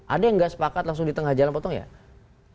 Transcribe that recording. ada yang nggak sepakat langsung di tengah jalan potong ya